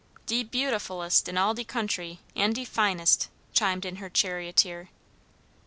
"De beautifullest in all de country, an' de finest," chimed in her charioteer.